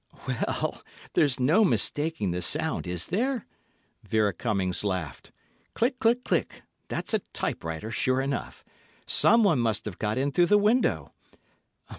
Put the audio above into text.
"Well, there's no mistaking the sound, is there?" Vera Cummings laughed. "Click, click, click—that's a typewriter, sure enough. Someone must have got in through the window.